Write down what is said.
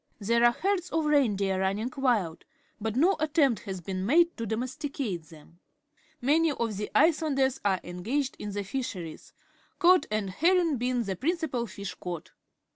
There are herds of reindeer run ning Mild, but no attempt has been made to domesticate them. Many of the Icelanders are engaged in the fi ^heries, cod and herring being the principal fish caught.